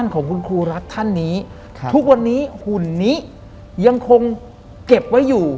ของคุณครูรัฐท่านนี้ทุกวันนี้หุ่นนี้ยังคงเก็บไว้อยู่